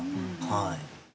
はい。